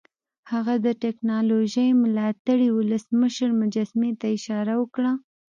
هغه د ټیکنالوژۍ ملاتړي ولسمشر مجسمې ته اشاره وکړه